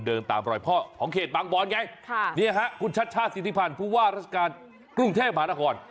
เดินตามรอยพ่อของเขตบางบอนไงค่ะนี่ฮะคุณชัชชาศิษภัณฑ์ภูว่ารัฐกาลกรุงเทพภานคร